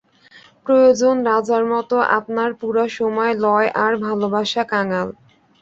প্রয়োজন রাজার মতো আপনার পুরা সময় লয়–আর ভালোবাসা কাঙাল!